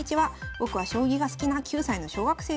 ぼくは将棋が好きな９歳の小学生です。